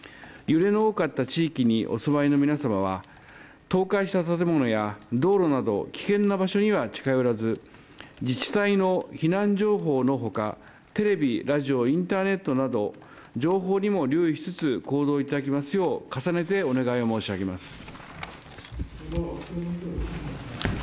揺れの大きかった地域にお住まいの皆様は、倒壊した建物や道路など危険な場所には近寄らず、自治体の避難情報のほか、テレビ、ラジオインターネットなど情報にも留意しつつ、行動いただきますよう重ねてお願いを申し上げます。